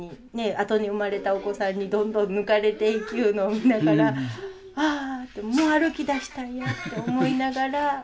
あとに生まれたお子さんにどんどん抜かれていきゆうのを見ながらああもう歩きだしたんやって思いながら。